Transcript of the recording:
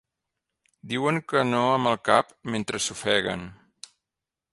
Diuen que no amb el cap mentre s'ofeguen.